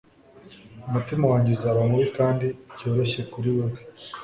umutima wanjye uzaba mubi kandi byoroshye kuri wewe